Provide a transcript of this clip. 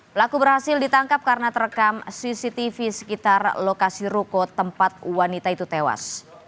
pelaku berhasil ditangkap karena terekam cctv sekitar lokasi ruko tempat wanita itu tewas